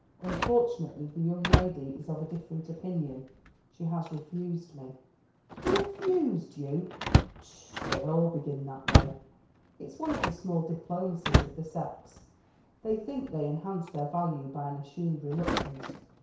Unfortunately the young lady is of a different opinion. She has refused me." "Refused you! Pshaw, they all begin that way. It's one of the small diplomacies of the sex. They think they enhance their value by an assumed reluctance.